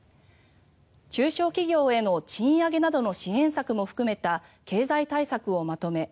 中小企業への賃上げなどの支援策も含めた経済対策をまとめ